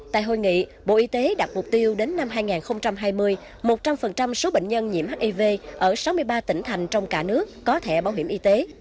tại hội nghị bộ y tế đặt mục tiêu đến năm hai nghìn hai mươi một trăm linh số bệnh nhân nhiễm hiv ở sáu mươi ba tỉnh thành trong cả nước có thẻ bảo hiểm y tế